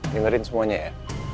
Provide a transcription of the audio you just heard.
dengarin semuanya ya